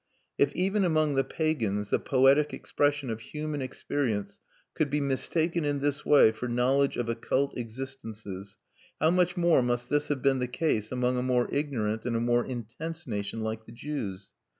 If even among the pagans the poetic expression of human experience could be mistaken in this way for knowledge of occult existences, how much more must this have been the case among a more ignorant and a more intense nation like the Jews?